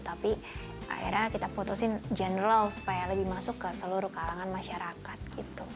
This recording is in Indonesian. jadi akhirnya kita putusin general supaya lebih masuk ke seluruh kalangan masyarakat gitu